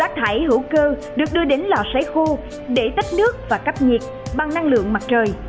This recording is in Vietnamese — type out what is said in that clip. sau đó nguyên liệu sấy hữu cơ được đưa đến lò sấy khô để tách nước và cấp nhiệt bằng năng lượng mặt trời